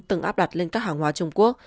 từng áp đặt lên các hàng hóa trung quốc